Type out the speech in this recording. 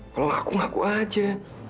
kalau ngaku ngaku aja